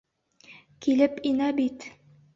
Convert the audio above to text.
Килеп инә бит!